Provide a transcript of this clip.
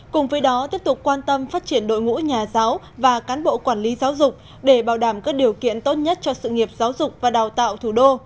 cùng với đó tiếp tục quan tâm phát triển đội ngũ nhà giáo và cán bộ quản lý giáo dục để bảo đảm các điều kiện tốt nhất cho sự nghiệp giáo dục và đào tạo thủ đô